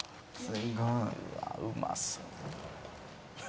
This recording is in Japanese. うわうまそう。